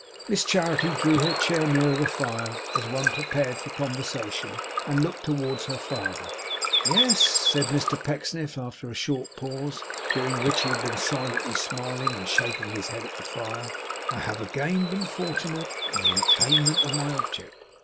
Miss Charity drew her chair nearer the fire, as one prepared for conversation, and looked towards her father. 'Yes,' said Mr Pecksniff, after a short pause, during which he had been silently smiling, and shaking his head at the fire 'I have again been fortunate in the attainment of my object.